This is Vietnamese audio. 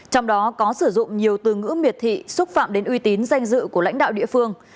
trong đó có sử dụng nhiều từ ngữ miệt thị xúc phạm đến uy tín danh dự của lãnh đạo địa phương